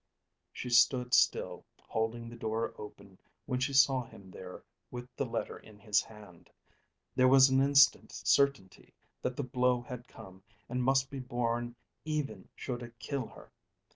She stood still holding the door open when she saw him there with the letter in his hand. There was an instant certainty that the blow had come and must be borne even should it kill her.